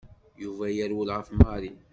Yuba yerwel ɣef Mary.